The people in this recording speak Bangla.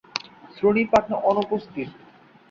শ্রোণী পাখনা অনুপস্থিত।